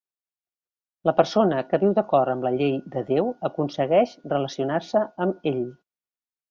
La persona que viu d'acord amb la llei de Déu, aconsegueix relacionar-se amb ell.